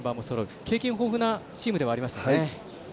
豊富なチームでもありますね。